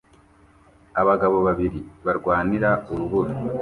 Abagabo babiri barwanira urubura